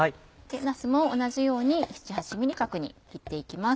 なすも同じように７８ｍｍ角に切って行きます。